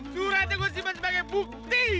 suratnya gue simpan sebagai bukti